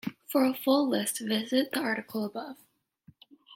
For a full list, visit the article above.